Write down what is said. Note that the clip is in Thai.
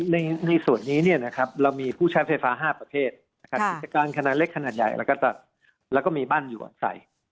ในส่วนนี้เรามีผู้ใช้ไฟฟ้า๕ประเทศกิจการขนาดเล็กขนาดใหญ่แล้วก็มีบ้านอยู่อาศัย